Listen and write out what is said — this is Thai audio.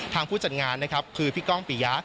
ทางผู้จัดงานคือพี่ก้องปิยะ